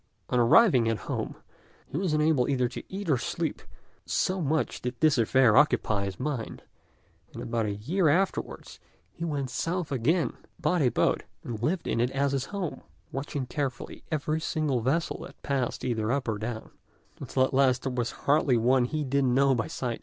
On arriving at home, he was unable either to eat or to sleep, so much did this affair occupy his mind; and about a year afterwards he went south again, bought a boat, and lived in it as his home, watching carefully every single vessel that passed either up or down, until at last there was hardly one he didn't know by sight.